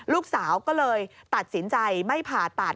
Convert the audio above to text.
ลูกสาวก็เลยตัดสินใจไม่ผ่าตัด